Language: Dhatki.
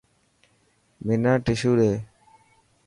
منا ششو ڏي.